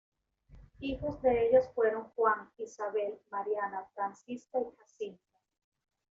Hijos de ellos fueron Juan, Isabel, Mariana, Francisca y Jacinta.